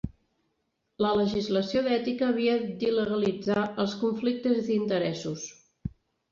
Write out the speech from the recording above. La legislació d'ètica havia d'il·legalitzar els conflictes d'interessos.